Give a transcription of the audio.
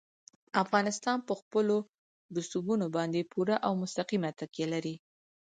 افغانستان په خپلو رسوبونو باندې پوره او مستقیمه تکیه لري.